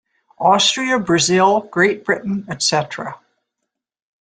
Austria, Brazil, Great Britain, etc.